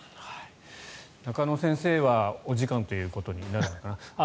中野先生はお時間ということになるのかな。